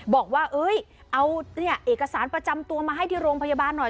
บอกว่าเอาเอกสารประจำตัวมาให้ที่โรงพยาบาลหน่อย